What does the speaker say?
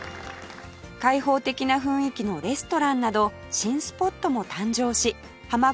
開放的な雰囲気のレストランなど新スポットも誕生しハマ